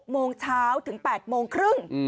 โมงเช้าถึง๘โมงครึ่ง